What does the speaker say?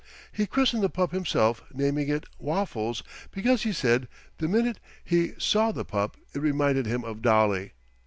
He christened the pup himself, naming it Waffles, because, he said, the minute he saw the pup it reminded him of Dolly.